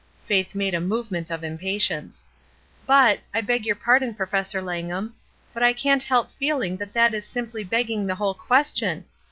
Faith made a movement of impatience. "But — I beg your pardon, Professor Lang ham — but I can't help feeling that that is simply begging the whole question.